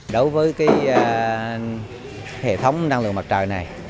đối với hệ thống điện năng lực mặt trời này